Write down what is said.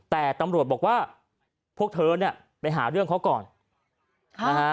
แต่ตำรวจบอกว่าพวกเธอเนี่ยไปหาเรื่องเขาก่อนนะฮะ